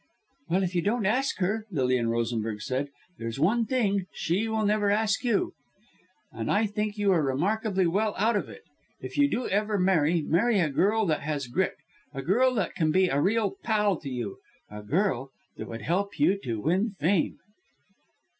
"Well, if you don't ask her," Lilian Rosenberg said, "there's one thing, she will never ask you. And I think you are remarkably well out of it. If you do ever marry, marry a girl that has grit a girl that would be a real 'pal' to you a girl that would help you to win fame!"